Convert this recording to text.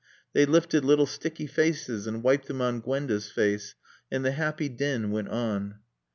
They lifted little sticky faces and wiped them on Gwenda's face, and the happy din went on.